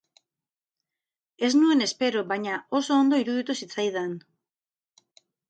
Ez nuen espero, baina oso ondo iruditu zitzaidan.